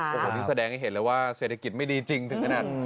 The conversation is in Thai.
พี่แสดงให้เห็นเลยว่าเศรษฐกิจไม่ดีจริงทั้งนั้น